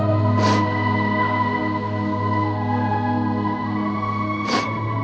kau melihat dan mengetahui